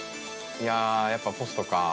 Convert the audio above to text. やっぱポストか。